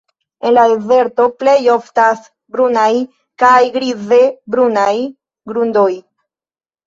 En la dezerto plej oftas brunaj kaj grize-brunaj grundoj.